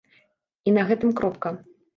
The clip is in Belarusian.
І на гэтым кропка.